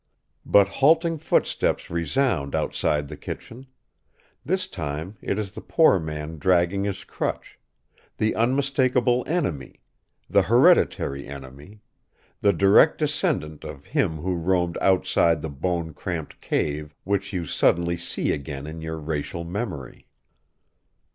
But halting footsteps resound outside the kitchen. This time it is the poor man dragging his crutch, the unmistakable enemy, the hereditary enemy, the direct descendant of him who roamed outside the bone cramped cave which you suddenly see again in your racial memory.